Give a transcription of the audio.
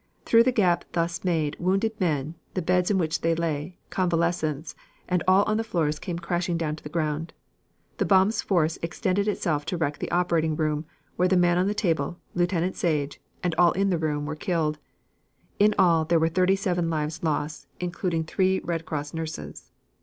Through the gap thus made wounded men, the beds in which they lay, convalescents, and all on the floors came crashing down to the ground. The bomb's force extended itself to wreck the operating room, where the man on the table, Lieutenant Sage, and all in the room were killed. In all there were thirty seven lives lost, including three Red Cross nurses.